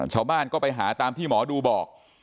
ชาวบ้านก็ไปหาตามที่หมอดูบอก